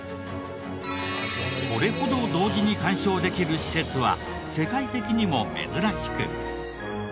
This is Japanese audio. これほど同時に観賞できる施設は世界的にも珍しく。